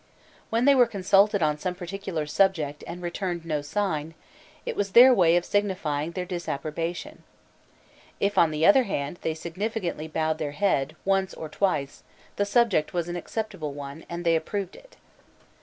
When they were consulted on some particular subject and returned no sign, it was their way of signifying their disapprobation. If, on the other hand, they significantly bowed their head, once or twice, the subject was an acceptable one, and they approved it.